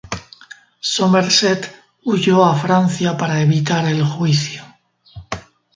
Somerset huyó a Francia para evitar el juicio.